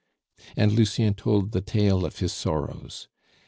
And Lucien told the tale of his sorrows.